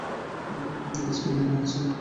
SP লাইনে আছেন।